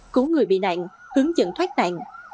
cứu người bị nạn hướng dẫn thoát nạn